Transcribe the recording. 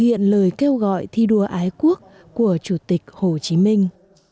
hiện lời kêu gọi thi đua ái quốc của chủ tịch hồ chí minh